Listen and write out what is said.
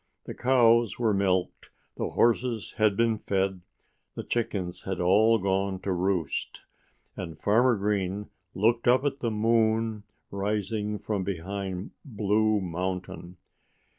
The cows were milked, the horses had been fed, the chickens had all gone to roost. And Farmer Green looked up at the moon, rising from behind Blue Mountain.